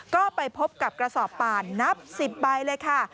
ก็ไปพบกับกระสอบป่านนับ๑๐ใบเลยค่ะ